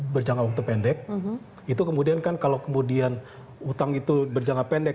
berjangka waktu pendek itu kemudian kan kalau kemudian utang itu berjangka pendek